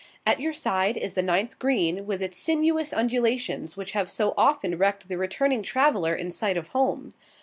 At your side is the ninth green, with its sinuous undulations which have so often wrecked the returning traveller in sight of home.